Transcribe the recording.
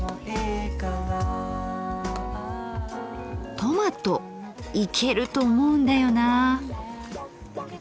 トマトいけると思うんだよな。